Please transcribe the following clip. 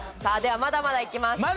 さあではまだまだいきます！